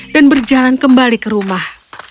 dan berjalan kembali ke rumah